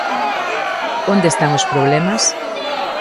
Onde están os problemas?